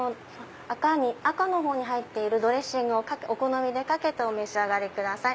赤のほうに入っているドレッシングをお好みでかけてお召し上がりください。